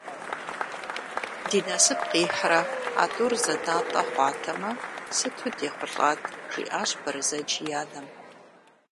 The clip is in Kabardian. Ди насып къихьрэ а тӏур зэнатӏэ хъуатэмэ, сыту дехъулӏат, - жиӏащ Бэрзэдж и анэм.